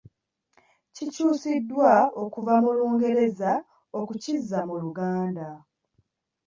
Kikyusiddwa okuva mu Lungereza okukizza mu Luganda.